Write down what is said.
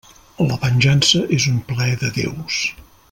La venjança és un plaer de déus.